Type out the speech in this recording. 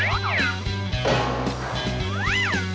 aduh gimana ya